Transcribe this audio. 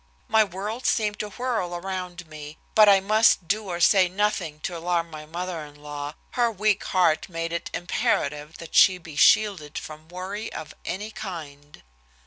My world seemed to whirl around me. But I must do or say nothing to alarm my mother in law. Her weak heart made it imperative that she be shielded from worry of any kind.